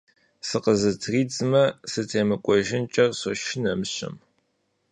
Сыкъызытридзмэ, сытемыкӀуэжынкӀэ сошынэ мыщэм.